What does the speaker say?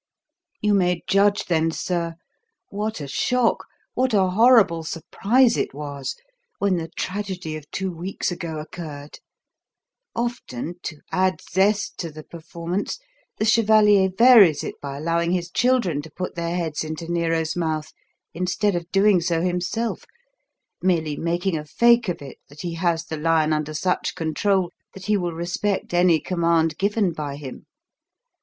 "You may judge, then, sir, what a shock, what a horrible surprise it was when the tragedy of two weeks ago occurred. Often, to add zest to the performance, the chevalier varies it by allowing his children to put their heads into Nero's mouth instead of doing so himself, merely making a fake of it that he has the lion under such control that he will respect any command given by him.